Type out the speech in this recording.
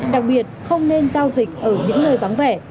đặc biệt không nên giao dịch ở những nơi vắng vẻ